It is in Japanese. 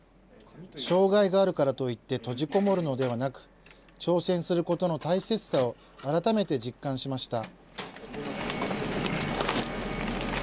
障害があるからといって閉じこもるのではなく、挑戦することの大切さを改めて実感しました。